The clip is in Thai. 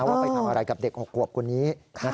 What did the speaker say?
ว่าไปทำอะไรกับเด็ก๖ขวบคนนี้